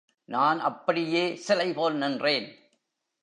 நான் அப்படியே சிலை போல் நின்றேன்!